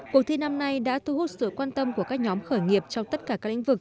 cuộc thi năm nay đã thu hút sự quan tâm của các nhóm khởi nghiệp trong tất cả các lĩnh vực